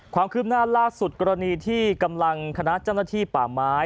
ความคืบหน้าล่าสุดกรณีที่กำลังคณะเจ้าหน้าที่ป่าไม้